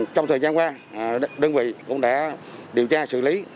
trong thời gian qua đơn vị cũng đã điều tra xử lý